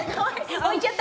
置いちゃった！